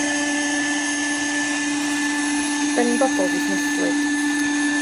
'Da ni'n bobl fusneslyd!